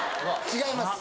違います